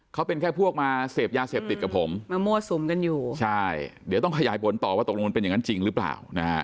เขาเป็นแค่พวกมาเสพยาเสพติดกับผมมามั่วสุมกันอยู่ใช่เดี๋ยวต้องขยายผลต่อว่าตกลงมันเป็นอย่างนั้นจริงหรือเปล่านะฮะ